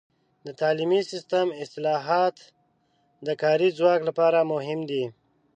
د تعلیمي سیستم اصلاحات د کاري ځواک لپاره مهم دي.